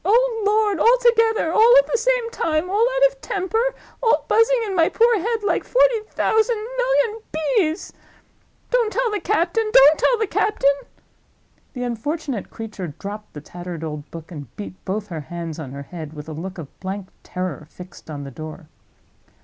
oh lord!!! all together, all at the same time, all out of temper, all buzzing in my poor head like forty thousand million bees—don't tell the captain! don't tell the captain!" The unfortunate creature dropped the tattered old book, and beat both her hands on her head, with a look of blank terror fixed on the door.